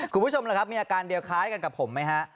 คุณผู้ชมล่ะครับมีอาการเดียวคล้ายกันกับผมไหมฮะ